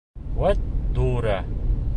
Вәт, дура!